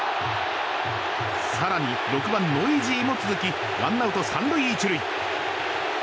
更に６番、ノイジーも続きワンアウト３塁１塁。